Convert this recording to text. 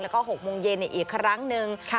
แล้วก็๖โมงเย็นอีกครั้งหนึ่ง